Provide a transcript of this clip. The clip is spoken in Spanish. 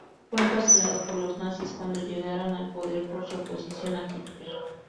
Fue encarcelado por los nazis cuando llegaron al poder por su oposición a Hitler.